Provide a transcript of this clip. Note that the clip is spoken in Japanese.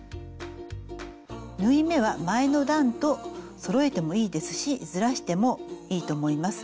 縫い目は前の段とそろえてもいいですしずらしてもいいと思います。